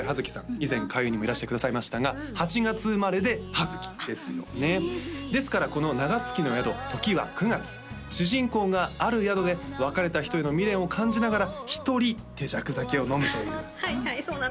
以前開運にもいらしてくださいましたが８月生まれで葉月ですよねですからこの長月の宿時は９月主人公がある宿で別れた人への未練を感じながら１人手酌酒を飲むというはいはいそうなんですよ